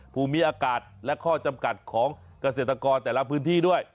ภูมิอากาศและข้อจำกัดของเกษตรกรแต่ละพื้นที่ด้วย